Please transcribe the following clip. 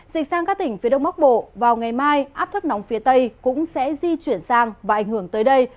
dịch sang các tỉnh phía đông bắc bộ vào ngày mai áp thấp nóng phía tây cũng sẽ di chuyển sang và ảnh hưởng tới đây